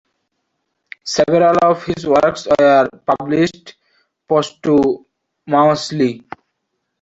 Several of his works were published posthumously.